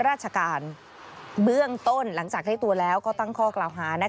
ราชการเบื้องต้นหลังจากได้ตัวแล้วก็ตั้งข้อกล่าวหา